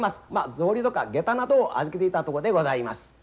草履とか下駄などを預けていたとこでございます。